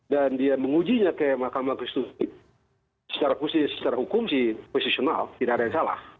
dan dia mengujinya ke mahkamah konstitusi secara khusus secara hukum sih konstitusional tidak ada yang salah